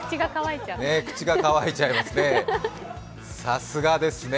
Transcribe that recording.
口が乾いちゃいますね。